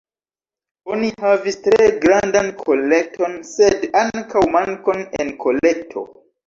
Oni havis tre grandan kolekton sed ankaŭ mankon en kolekto.